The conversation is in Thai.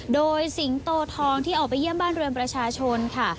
โดยสิงโตทองที่ออกไปเยี่ยมบ้านเรือนประชาชนค่ะ